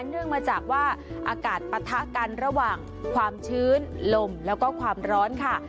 เนื่องมาจากว่าอากาศปะทะกันระหว่างความชื้นลมแล้วก็ความร้อนค่ะ